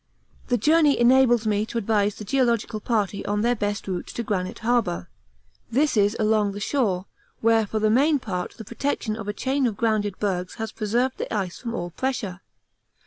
The journey enables me to advise the Geological Party on their best route to Granite Harbour: this is along the shore, where for the main part the protection of a chain of grounded bergs has preserved the ice from all pressure.